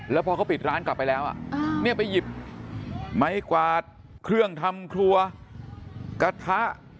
แล้วพอเขาปิดร้านกลับไปแล้วเนี่ยไปหยิบไม้กวาดเครื่องทำครัวกระทะ